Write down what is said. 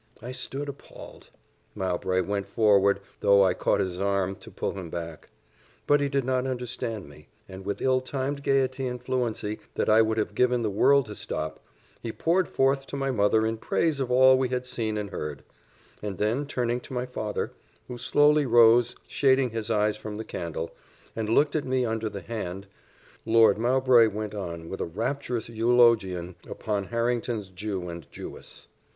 I stood appalled; Mowbray went forward, though I caught his arm to pull him back. But he did not understand me, and with ill timed gaiety and fluency, that I would have given the world to stop, he poured forth to my mother in praise of all we had seen and heard; and then turning to my father, who slowly rose, shading his eyes from the candle, and looking at me under the hand, Lord Mowbray went on with a rapturous eulogium upon Harrington's Jew and Jewess.